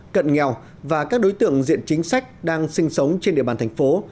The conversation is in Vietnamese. cận nghèo và các đối tượng diện chính sách đang sinh sống trên địa bàn thành phố